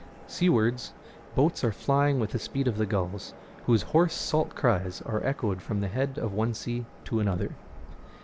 Seawards, boats are flying with the speed of the gulls, whose hoarse salt cries are echoed from the head of one sea to another.